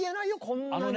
こんなに。